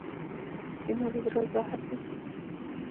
کینه د زړه زهر دی.